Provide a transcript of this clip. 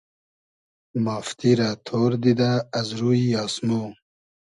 مافتی رۂ تۉر دیدۂ از روی آسمۉ